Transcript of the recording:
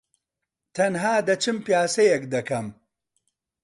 تەنھا دەچم پیاسەیەک دەکەم.